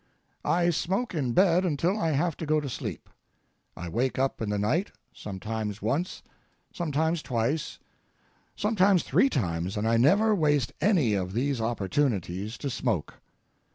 I smoke in bed until I have to go to sleep; I wake up in the night, sometimes once, sometimes twice; sometimes three times, and I never waste any of these opportunities to smoke.